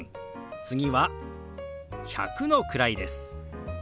次は１００の位です。